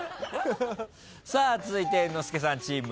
続いて猿之助さんチームです。